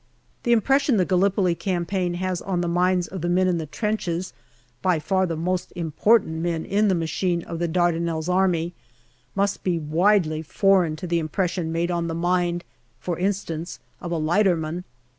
The impression the Gallipoli campaign has on the minds of the men in the trenches, by far the most important men in the machine of the Dardanelles Army, must be widely foreign to the impression made on the mind, for instance, of a lighterman.